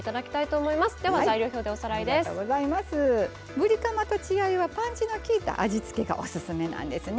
ぶりカマと血合いはパンチのきいた味付けがおすすめなんですね。